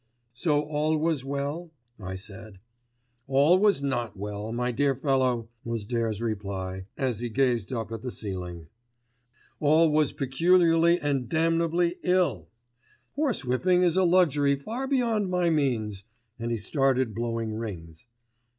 "So all was well," I said. "All was not well, my dear fellow," was Dare's reply, as he gazed up at the ceiling. "All was peculiarly and damnably ill. Horsewhipping is a luxury far beyond my means," and he started blowing rings.